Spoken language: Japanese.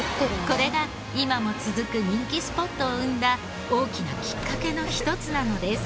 これが今も続く人気スポットを生んだ大きなきっかけの一つなのです。